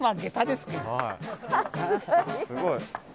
すごい。